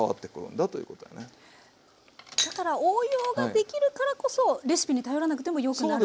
だから応用ができるからこそレシピに頼らなくてもよくなるっていう。